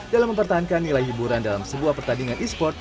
dalam mempertahankan nilai hiburan dalam sebuah pertandingan esports